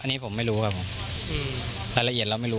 อันนี้ผมไม่รู้ครับผมรายละเอียดเราไม่รู้